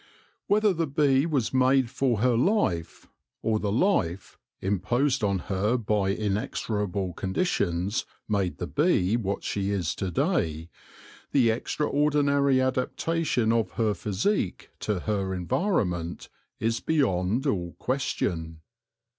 Whether the bee was made for her life, or the life — imposed on her by inexorable conditions — made the bee what she is to day, the extraordinary adaptation of her physique to her environment is beyond all question.